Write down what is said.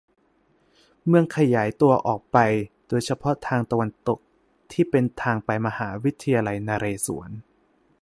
เมืองขยายตัวออกไปโดยเฉพาะทางตะวันตกที่เป็นทางไปมหาวิทยาลัยนเรศวร